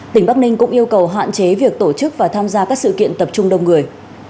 tỉnh bắc ninh cũng yêu cầu hạn chế việc tổ chức và tham gia các sự kiện tập trung đông người